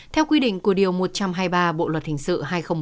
theo quy định của điều một trăm hai mươi ba bộ luật hình sự hai nghìn một mươi năm